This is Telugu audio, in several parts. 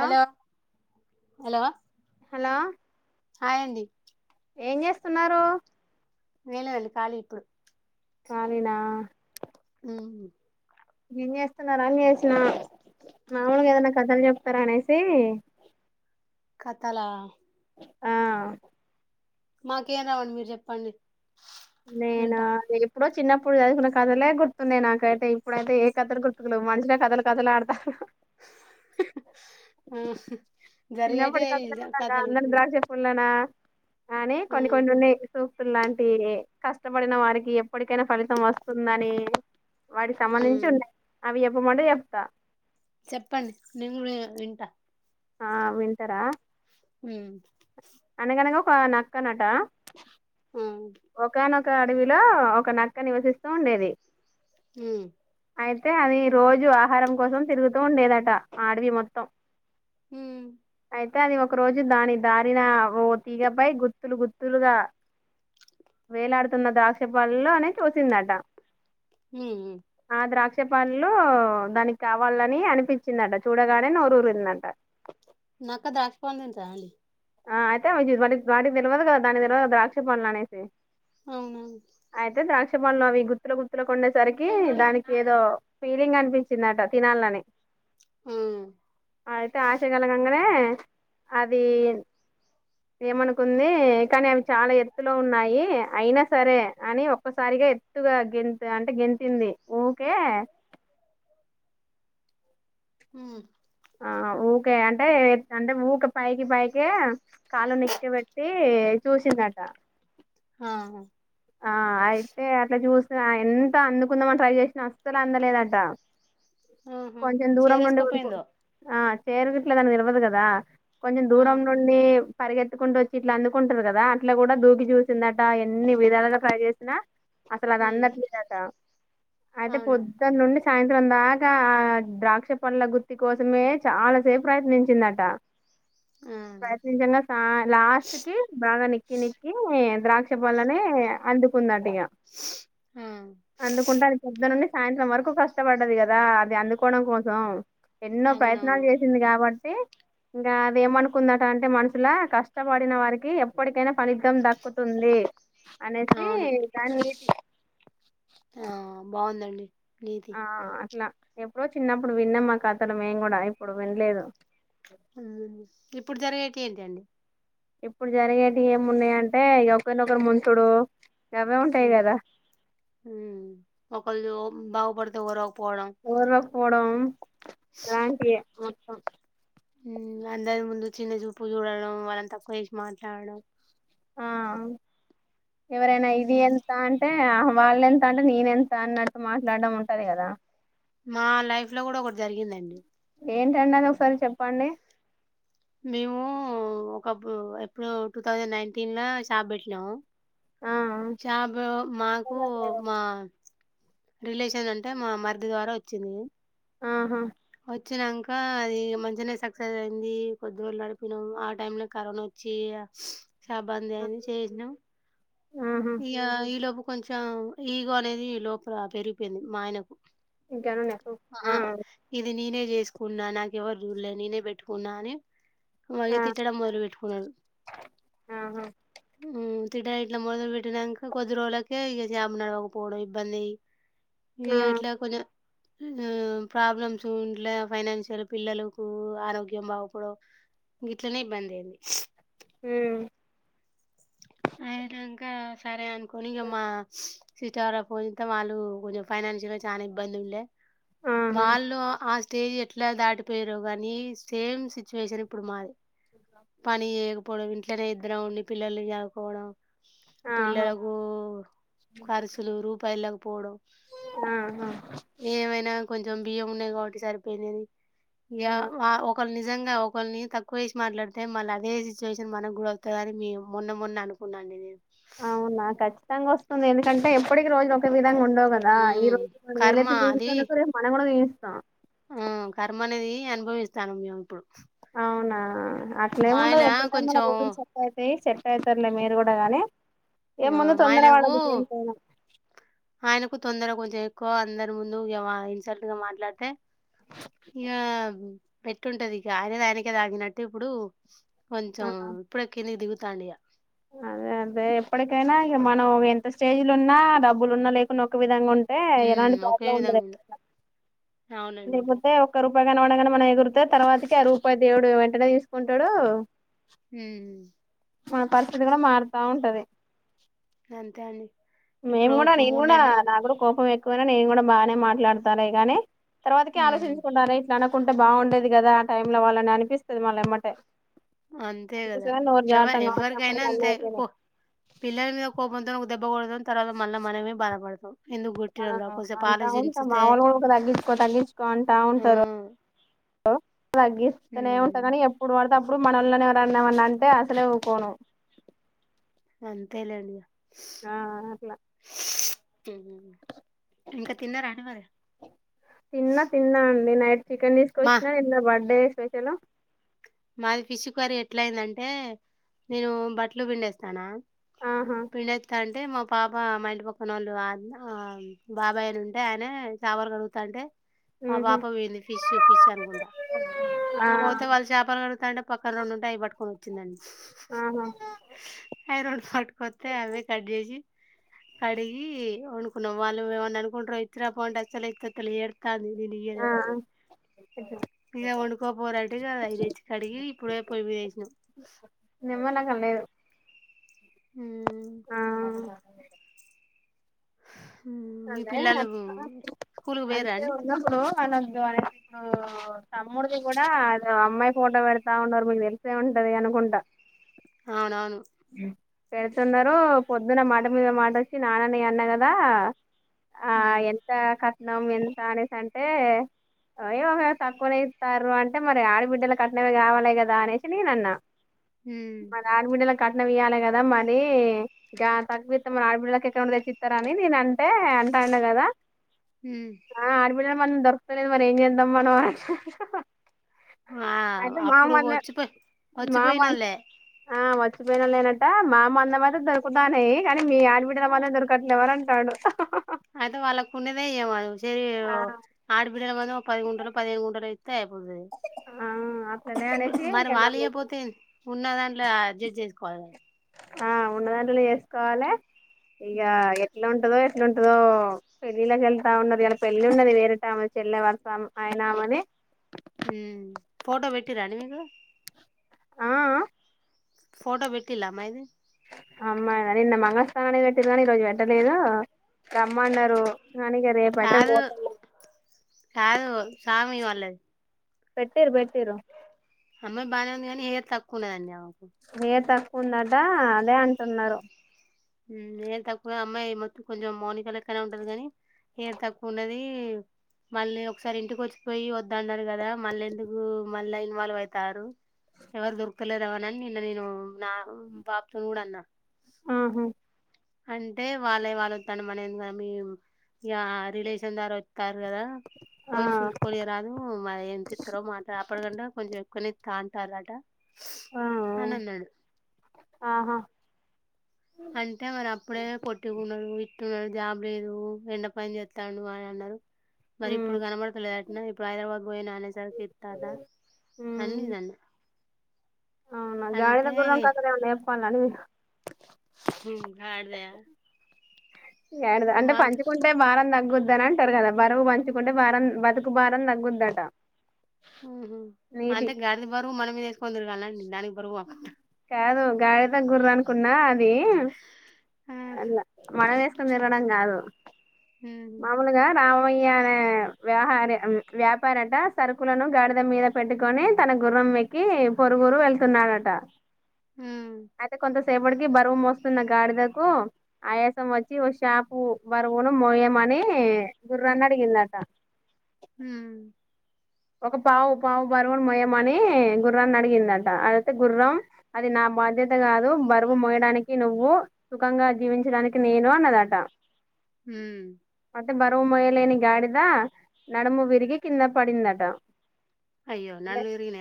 హలో హలో లా హాయండి ఏం చేస్తున్నారు వేల వెంది కాలి ఇప్పుడు కాలీనా ఉహుం ఏం చేస్తున్నారా అని చేసిన మావులుగ ఏదైనా కథలు చెప్తారా అనేసి కథలా ఆ మాకేం రావండి మీరు చెప్పండి నేనా వింటా ఇప్పుడు చిన్నప్పుడు చదువుకున్న కథలే గుర్తున్నాయి నాకైతే ఇప్పుడైతే ఏ కథలు గుర్తుకులేవు మనుషులే కథలు కథలు ఆడతా ఆడతారు జరిగేటే చిన్నపడి కత కథలు అందని ద్రాక్ష ఫల్నా అనే కొన్ని కొన్ని ఉన్నే వసు లాంటియే కష్టపడిన వారికి ఎప్పటికైనా ఫలితం వస్తుందని వాడికి సంబంధించి ఉండయి అవి ఉమ్ అంటే ఎప్తా చెప్పండి నేను కూడా వి వింటా ఆ వింటారా హుమ్మ్ ప్ప నాక్కనట ఒకనా అడవిలో ఒక నక్క నివసిస్తూ ఉండేది అ అయితే అది రోజు ఆహారం కోసం తిరుగుతూ ఉండేదట అడవి మొత్తం ఆ హ అయితే అది ఒక రోజు దాని దారిన ఓ తీగపై గుత్తులు గుత్తులుగా వేలాడుతున్న ద్రాక్షపాలలో అనే చూసిందట హ పచ్చ పనులు దానికి కావాలని అనిపించిందట చూడగానే నోరు ఊరిందంట నాకు ద్రాక్షపో దని సాాలడి ఆ అయితే వాటికి తెలియదు కదా దాని తెలిదు ద్రాక్ష పనులు అనేసి అవును మొన్న అవి గుత్తుల గుర్తులకు కొండేసరికి దానికి ఏదో ఫీలింగ్ అనిపించిందట తినాలని అయితే ఆశగలగంగనే అది ఏమనుకుంది కానీ అవి చాలా ఎత్తులో ఉన్నాయి అయినా సరే అని ఒక్కసారిగా ఎత్తుగా గెంత్ అంటే గెంతింది ఊకే ఉ ఆ ఊకే అంటే అంటే ఊకే పైకి పైకే కాళ్ళు నిక్క్కబెట్టీ చూసిందట ఆ ఆ అయితే అట్లా చూస్ ఎంత అందుకుందామని ట్రై చేసినా అస్సలు అందలేదంట ఆహా కొంచెం దూరం నుండి ఉరుకు చేరేసుకోపోయిందో ఆ చేరుగిట్లదని తెలవదు గదా కొంచెం దూరం నుండి పరిగెత్తుకుంటూ వచ్చి ఇట్లా అందుకుంటారు కదా అట్లా కూడా దూకి చూసిందట ఎన్ని విధాలుగా ట్రై చేసినా అసలు అద అన్నట్లేదట అయితే అవునా పొద్దానుండి సాయంత్రం దాకా ఆ ద్రాక్ష పండ్ల గుత్తి కోసమే చాలాసేపు ప్రయత్నించిందట ప్రత్నించంగా సా లాస్ట్ కి బాగా నిక్కి నిక్కీ ద్రాక్ష బాలనే చే అందుకున్నాట్ హేయ అందుకుంటే అ పద్దను నుండి సాయంత్రం వరకు కష్టపడ్డది కదా అది అందుకోవడం కోసం ఎన్నో ప్రయత్నాలు అవునవును చేసింది గాబట్ ఇంకా అది ఏమనుకుందట అంటే మనుషుల కష్టపడిన వారికి ఎప్పటికైనా ఫలితం దక్కుతుంది అనేసి దాని ఏటి ఆ బావుందండి లేద ఎప్పుడో చిన్నప్పుడు విన్నామా కతలు మేం కూడా ఇప్పుడు వినలేదు ఇప్పుడు జరిగేవి ఏంటిండి ఇప్పుడు జరిగేటివి ఏమున్నాయి అంటే ఇగ ఒకరినొకరు ముంచుడు గవే ఉ ఉంటాయి కదా ఊ ఒకల్దీ ఓ బాగు పడుతే ఓరవ్ ఒర్వక పోడం రాంటియే ఆ అందరి ముందు చిన్న చూపు చూడడం వాళ్ళని తక్కువ చేసి మాట్లాడడం ఆహ్ ఎవరైనా ఇది హ్మ్ ఎంతా అంటే ఆహ్ వాళ్లేంత అంటే నేనెంత అన్నట్టు మాట్లాడడం ఉంటది కదా మా లైఫ్ లో కూడా ఒకటి జరిగిందండి ఏంటండి అది ఒకసారి చెప్పండి మేము ఒకపుడు ఎప్పుడు టూ థౌజండ్ నైన్టీన్ల షాప్ పెట్టినాము ఆ చా బ్రో మాకు మా రిలేషన్ అంటే మా మర్థి ద్వారా వచ్చింది ఆహా వచ్చానంక అది మంచనే సక్సెస్ అయింది కొద్ది రోజులు నడిపినం ఆ టైమ్ లో కరోనా వచ్చి షాప్ బందైంది చేసినం ఆహా ఈగా ఈ లోపు కొంచెం ఈగో అనేది లోపల పెరిగిపోయింది మా ఆయనకు ఇంకను నెకు ఆహ్ నేనే చేసుకున్నా నాకెవరు చూడలే నేనే పెట్టుకున్నా అని మయ్య ఆ తిట్టడం మొదలు పెట్టుకున్నాడు ఆహా తిటిడ ఇట్లా మడులు పెట్టినాక కొద్ది రోజులకే ఇక జాబ్ నడవ్వకపోవడం ఇబ్బంది ఆ ఏ అట్లా కొంచ ప్రబ్లమ్ ఇంట్ల ఫైనాన్షియల్ పిల్లలకు ఆరోగ్యం బాగుపడం ఇట్లనే ఇబ్బంది అయింది హమ్ అయినంక సరే అనుకోని ఇగ మా సిటార ఫోన్ ఇత్తే వాళ్ళు కొంచెం ఫైనాన్షియల్గా చానా ఇబ్బంది ఉండే ఆహా వాళ్ళు ఆస్త తేజ్ ఎట్లా దాటిపోయ్ర గాని సేమ్ సిచ్యువేషన్ ఇప్పుడు మాది పని ఎహ్ ఇప్పుడు ఇంట్లనే ఇద్దరం ఉండి పిల్లల్ని జ పోడం ఆహా పిల్లలకు ఖర్చులు రూపాయల పోడం ఆహా కొంచెం బియ్యం ఉన్నాయి కాబట్టి సరిపోయినది యా ఆ. వ ఒకల్ని నిజంగా ఒకరిని తకువ జేసి మాట్లాడితే మళ్ళ అదే సిచువేషన్ మనకు కుడ వొత్తదని మేం మొన్న మొన్న ఆహ్ కున్నా అండి నేను అవునా ఖచ్చితంగా వస్తుంది ఎందుకంటే ఎప్పటికి రోజులు ఒకే విధంగా ధంగా ఉండవు కదా ఈ హ్మ్ రోజు మనల్ని కర్మ వేలెత్తి చూపిస్తండటే రేపు అది మనం కూడా వేలెత్తి స్తా ఆ కర్మ అనేది అనుభవిస్తాను మేము ఇప్పుడు అవునా అట్లే మా ఏముండదు ఆయన ఎప్పుటికైనా మన కొంచెం [unintelligible] ఎక్కువ అయితాయి చెప్ ప్రసర్లే మీరు కూడా గానీ ఆ ఏ ముందు తొందరవడద్దు దేనికైనా చేకో అందరి ముందు ఇ ఇన్సల్ట్ గా మాట్లాడితే ఇగ పెట్టిఉంటది ఇగ ఆయనది ఆయనకే తాకినట్టు ఇప్పుడు కొంచెం ఆ ఇప్పుడె కిందికి దిగు తండియా అదే అదే ఎప్పటికైనా ఇక మనం ఎంత స్టేజిలున్న డబ్బులు ఉన్నా లేకున్నా ఒక విధంగా ఉంటు హ్మ్ ఒకే ప్రాబ్లం ఉండదు విధంగా అవునండి. ఒక్క రూపాయి కనవ్వడంగానే మన ఎగురుతె తర్వాతకి రూపాయి దేవుడు వెంటనే తీసుకుంటాడు హ్మ్ మన పరిస్థితి కూడా మారుతా ఉంటది. అంతే అండి మేము ఇప్పుడు కూడా ఇప్పుడు నేను కూడా నెలలు నా కూడా కోపం ఎ ఎక్కువైనా నేను కూడా బాగానే మాట్లాడతార కానీ తర్వాతకి హ్మ్. ఆలోచించుకుంన్నారా ఇట్లా అన కుంటే బాగుండేది కదా ఆ టైమ్ లో వాళ్ళని అనిపిస్తుది మళ్ళేమ్మటే అంతే కదా అందుకోసమని నోరు ఎవ జారుతాం కాబట్టి ఎవరికైనా అప్పటికి అన్ని అంతే అయిపోయినాయి పిల్లల మీద కోపంత దెబ్బ కొడితే తర్వాత మళ్ళా మనమే భాధపడాలి రా కొద్దిసేపు అంతా ఉంటం ఆలోచించితే మాముూలు కూడా ఒక తగ్గించుకో తగ్గించుకో అంటా ఆ! ఉంటారు తగ్గిస్తేనే ఉంటా హ్మ్. కానీ ఎప్పుడు వాడితే అప్పుడు మనొళ్ళ ఎవరన్నా ఏమన్నా అంటే అసలేఊకోను అంతేలేండి ఇగా ఆ అట్లా హుహు ఇంకా తిన్నార అండి మరి నైట్ చికెన్ మా తీస్కోచ్చిన నిన్న బర్డే చేస్ స్పెషలు మాది పిష్కర్రి ఎట్ల అయిందంటే నేను బట్లు పిండేస్తనా ఆహా పిండెతంది. అంటే మా పాప మా ఇంటి పక్కన వొళ్ళు ఆ బాబాయ్ అని ఉంటే ఆయన చాపల్ కడుగుతా అంటే మా ఉహు పాప పోయింది ఫిష్ ఫిష్ అనుకుంటా చూపించు అనుకుంటా ఆ పోతే వాళ్ళు చాప చాపలు కడుతాంటే పక్కన రెండు ఉంటే అవి పట్టుకొని వచ్చిందండి. ఆహా అయి రెండు పట్టుకొత్తే అవే కట్ చేసి కడిగి వండుకున్నాం. వాళ్ళు ఏమన్నా అనుకుంటర్రో ఇచ్చిరాపో, అంటే అస్సలే ఇచ్చత్తలేదు ఏడుస్ త ఇకా కింద ఆ ఇగ పండుకోపోరి అంటే అయితేచ్ కడిగి ఇప్పుడే పోయి మీద వేసినం. మ నా కనలేదు ఊ మాకు చేయలా ఉమ్, మీ అదే పిల్లలు అ స్కూల్కి పోయిర్రా అంతే అండి ఉన్నప్పుడు మనద్దు అనేది ఇప్పుడు తమ్ముడిది కూడా అద అమ్మాయి ఫోటో పెడతా ఉన్నారు. మీకు తెలిసే ఉంటది అనుకుంటా. అ అవునవును పెడుతున్నరో పొద్దున్న మాట మీద మాట వచ్చి నాన్న ని నేన్ అన్నగదా ఆ హ్మ్. ఎంత క నవమి ఎంత అనేసి అంటే అయో తక్కువనే ఇత్తారు అంటే మరి ఆడబిడ్డలు కట్నలవి కావాలి కదా అనేసి నేన అన్నా మన ఆడబిడ్డ హ్మ్. కట్నం ఇయ్యాలె కదా మరి గా తక్కువిత్తే మరి ఆడపిల్లకి ఎక్కడ తెచ్చిస్తారని నేన అంటే అంటాన్న కదా హ్మ్. ఆ ఆడబిడ్డల మనం దొరుకుతలేద్ మరి ఏం చేద్దాం మనం ఆ ఆ! అయితే మామ అప్పుడు మామన్ ఒచ్చిపోయి ఆ వచ్ ఒచ్చిపోయినోళ్ళే. చచ్చిపోయిన లేనంట మా మందం అయితే దొరుకుతనయి కానీ మీ ఆడబిడ్డల మందం దొరకట్లేవ్ అని అంటాండు. అయితే వాళ్ళకు ఉన్నదే ఇయ్యం సెరి ఆ ఆడబిడ్డల మన పది గుంటలో పదిహనుగుంటలో పోతె అయిపోతది ఆ అట్లనే అనేసి మరి ఇగ వాళ్ళు నన్ను ఇయ్యకపోతే ఉన్న దాంట్లో అడ్జస్ట్ చేసుకోవాలె. ఆ ఉన్నదాంట్లనే చేసుకోవాలె ఇగ హ్మ్. ఎట్లా ఉంటదో ఎట్ల ఉంటదో పెళ్ళిళ్ళకి వెళ్తా ఉన్నాది ఇయలా పెళ్ళి ఉన్నది వేరే ఆమెది చెల్ల వర్స అయినామే. అ ఆ ఆ ఫోటో పెట్టిలా అ అమ్మాయి నిన్న మంగళస్థానాన్ని పెట్టింది కాని ఈ రోజు పెట్టలేదు రమ్మన్నారు కానీ ఇగ రేపయితే చాలు పోతాము చాలు సామి వా అ పెట్టిరు పెట్టిరు ఆ అమ్మాయ్ బాగానే ఉంది కాని హేర్ తక్కువ ఉం దనే ఏంత ఉందట అదే అంటున్నారు ఏమ్ తక్కువ అమ్మాయి మొత్తం కొంచెం మౌనికాలక్కనా ఉంటది కానీ ఏమ్ తక్కువ ఉన్నది మళ్ళీ ఒకసారి ఇంటికి వచ్చిపోయి వద్దన్నారు కదా మళ్ళీ ఎందుకు మళ్ళా ఇన్వాల్వ్ అవుతారు ఎవరు దొరుక్తలేరా అని నిన్న నేను నా పాపతో కూడా అన్నా ఆహా అంటే వాళ్ళే వాళ్ళు తాను మన మీ యా రిలేషన్ ద్వారా వస్తారు కదా వది ఆ చూసుకొని రాదు మరి ఏం తిస్తారో మాట్ అప్పడకండా కొంచెం కొలిత్తంటరట అనన్నాడు ఆహా న్నాడు జాబ్ లేదు ఎండ పని చేస్తాను అని అన్నారు మరి ఉమ్ ఇప్పుడు కనపడతలేదు అంటన ఇప్పుడు హైదరాబాద్ పోయే నానేసరికి ఇస్తాడా అని నన్న ఉమ్ అవునా గాడిద త గుర్రం కథ ఉడిప్పాలని హమ్ గాడిదా గాడిద అంటే మాట పంచుకుంటే బారం తగ్ తగ్గుద్దా అంటారు కదా బరువు పంచుకుంటే వారం బతుకు బారం తగ్గుద్దట ఉహ నీది అంటే గడిది బరువు మన మీద కొందరు అలాంటి దానికి బరువా గాడిద గుర్రనికున్నా అది హ్మ్ అలా మానేస్ నిలడం కాదు మామూలుగా రామయ్య అనే వ్యాహార వ్యాపారట సరుకులను గాడిద మీద పెట్టుకొని తన గుర్రం ఎక్కి పొరుగురు వెళ్తున్నాడట హ సేపటికి బరువు మోస్తున్న గాడిదకు ఆయాసం వచ్చి షాపు బరువును మోయేమ నీ గుర్రాన్నదిగిందట హ ఒక పావు పావు బరువును మోయమని గుర్రాన్ని అడిగిందట అయితే గుర్రం అది నా బాధ్యత కాదు బరువు మోయడానికి నువ్వు సుఖంగా జీవించడానికి నేను అన్నదట హ అయితే బరువు మొయలేని గాడిదా నడుము విరిగి కింద పడిందట టన్ అయ్యో నాలురినాయా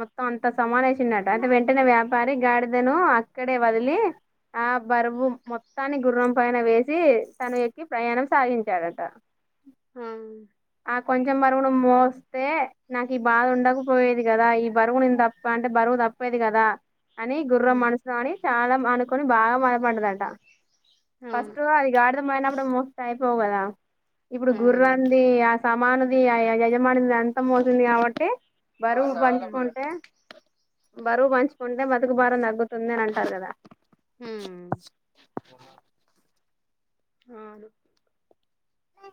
మొత్తం అంత సమావేశినట అంటే వెంటనే వ్యాపారి గాడిదను అక్కడే వదిలి ఆ బరువుు మొత్తాన్ని గుర్రం పైన వేసి తను ఎక్కి ప్రయాణం సాగించాడట ఆ కొంచెం కొంచెం బరువును మోస్తే నాకు ఈ బాధ ఉండకపోయేది కదా ఈ బరువునుే తప్ప అంటే బరువు తప్పేది కదా అని గుర్రం హ్మ్ మనసుిన అని చాలా అనుకొని బాగా మదపండదంట అవును. ఫస్ట్గా అదికాడత పోనప్పు మోస్పో పోవదా ఇప్పుడు గుర్రాంది ఆ! సమానం అ యా యో అంతా మోసింది కాబట్టి బరువు హ్మ్ పంచుకుంటే బరువు పంచుకుంటే బతుకు భారం తగ్గుతుంది అని అంటారు కదా హు మ్ అ [unintelligible] అవును [unintelligible]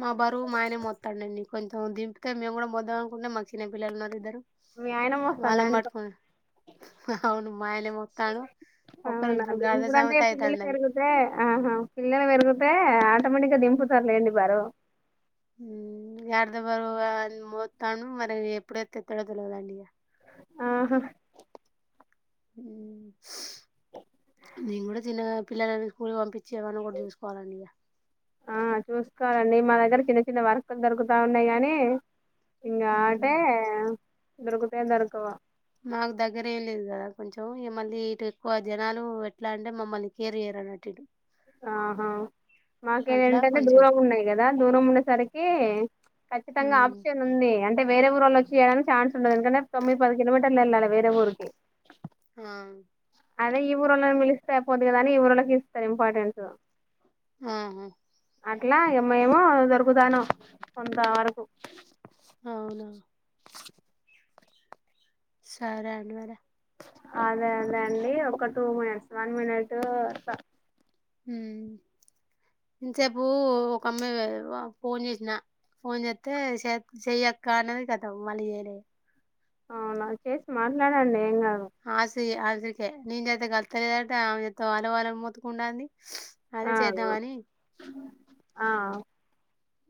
మా బరువు మా ఆయనే మొత్తాదండి కొంచెం దింపిక మేము కూడా మొద్దాం అనుకుంటే మాకు చిన్న పిల్లలు ఉన్నరు ఇద్దరు మీ ఆయన మోస్తండా వాళ్ళని అండి పట్టుకొని అవును మా ఆయనే మోత్తాండు ఒక్కరు ఇప్పుడు అవునండి గాడిద ఇప్పుడంటే సామెత అంటే పిల్లలు అయితాందండి పెరిగితే ఆహా పిల్లలు పెరుగు తే ఆటోమేటిక్ గా దింపుతారులేండి బరువు గాడిద బరువు మొత్తండు మరి ఎప్పుడు ఎత్తెత్తడో తెలవదండిగా ఆహా నను కూడా తన్నగా పిల్లలని స్కూల్కి పంపించి ఏమన్నా ఒకటి చూసుకోవాల ఇగ మా దగ్గర చిన్న చిన్న వర్కులు దొరుకుతా ఉన్నాయి గాని ఇంగా హ్మ్. అంటే దొరుకుతయో దొరుకవో మాకు దగ్గర ఏం లేదు కదా కొంచెం ఇగ మళ్ళీ ఇటు ఎక్కువ జనాలు ఎట్లా అంటే మమ్మల్ని కేర్ చేయరున్నట్టు ఇటు ఆహా మాకేది అట్లా ఏంటంటే కొంచెం దూరం ఉన్నాయి కదా దూరం ఉండేసరికి ఖచ్చితంగా హ్మ్. ఆప్షన్ ఉంది అంటే వేరే ఊరోళ్ళొచి చేయడానికి ఛాన్స్ ఉండదు ఎందుకంటే తొమ్మిది పది కలోమీటర్లు వెళ్ళాలి వేరే ఊరుకు ఆ అదే ఈ ఊరోళ్ళని పిలుస్తే అయిపోద్ది కదాని ఈ ఊరోళ్ళకిస్తారేమో ఇంపార్టెంటు ఆహా అట్లా ఇగ మేము దొరుకుతానం కొంత వరకు అవునా సరే అండి మరి అదే అదే అండి ఒక టూ మినిట్స్ వన్ మినిట్ హు ఒక అమ్మాయి ఫోన్ చేసిన ఫోన్ చేస్తే చెయ్యక్క అన్నది ఖతం మళ్ళీ చేయలే అవునా చేసి మాట్లాడండి ఏం కాదు ఆ సే ఆ నేన్ జేతే కలుతలేదంట ఆమె జేతే అలో అలో అని మొతుకుంటంది ఆ ఆ ఆ ఆ